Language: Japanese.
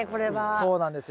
そうなんですよ。